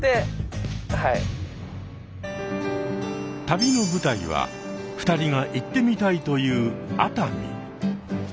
旅の舞台は２人が行ってみたいという熱海。